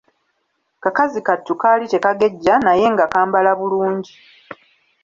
Kakazi kattu kaali tekagejja naye nga kambala bulungi.